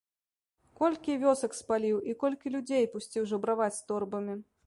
Колькі вёсак спаліў і колькі людзей пусціў жабраваць з торбамі?